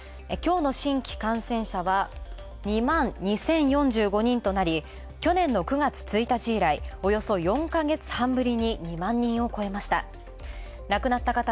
きょうの新規感染者は２万２０４５人となり去年の９月１日以来およそ４か月半ぶりに２万人を超えました。